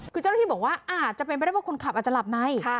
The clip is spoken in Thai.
คือเจ้าหน้าที่บอกว่าอาจจะเป็นไปได้ว่าคนขับอาจจะหลับใน